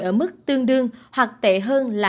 ở mức tương đương hoặc tệ hơn